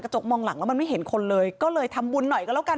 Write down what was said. จกมองหลังแล้วมันไม่เห็นคนเลยก็เลยทำบุญหน่อยก็แล้วกัน